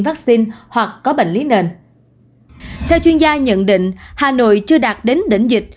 vaccine hoặc có bệnh lý nền theo chuyên gia nhận định hà nội chưa đạt đến đỉnh dịch